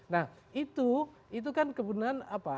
nah itu itu kan kebenaran apa